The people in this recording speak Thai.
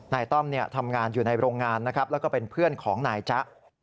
ต้อมทำงานอยู่ในโรงงานนะครับแล้วก็เป็นเพื่อนของนายจ๊ะ